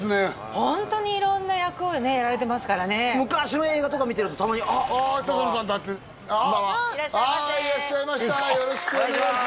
ホントに色んな役をやられてますからね昔の映画とか見てるとたまにああ笹野さんだってあっこんばんはいらっしゃいましたよろしくお願いします